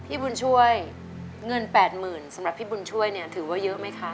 พี่บุญช่วยเงิน๘๐๐๐๐บาทสำหรับพี่บุญช่วยถือว่าเยอะไหมคะ